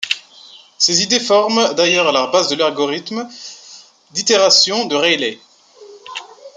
Ces idées forment d'ailleurs la base de l’algorithme d’itération de Rayleigh.